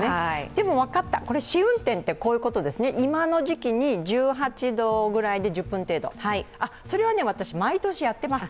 でも、分かった、試運転ってこういうことですね、今の時期で１８度ぐらいで１０分程度、それは私、毎年やってます。